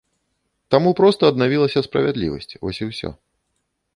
Таму проста аднавілася справядлівасць, вось і ўсё.